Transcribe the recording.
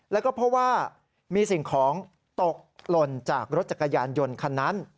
แล้วก็เพราะว่ามีสิ่งของตกหล่นจากรถจักรยานยนต์คันนั้น